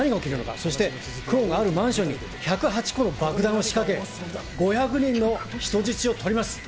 そして久遠があるマンションに１０８個の爆弾を仕掛け、５００人の人質を取ります。